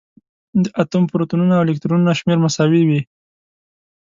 د اتوم پروتونونه او الکترونونه شمېر مساوي وي.